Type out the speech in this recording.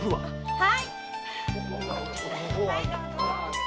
はい。